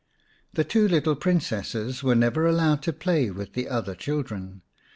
The two little Princesses were never allowed to play with the other children.